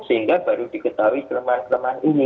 sehingga baru diketahui kelemahan kelemahan ini